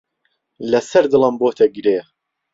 لەسەر دڵم بۆتە گرێ.